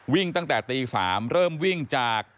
วิ่งตั้งแต่ตี๓เริ่มวิ่งจาก